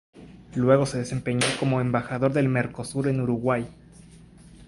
Luego se desempeñó como embajador del Mercosur en Uruguay.